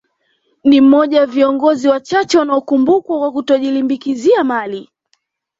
Ni mmoja wa viongozi wachache wanaokumbukwa kwa kutojilimbikizia mali